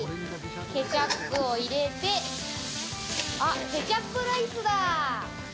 ケチャップを入れて、ケチャップライスだ！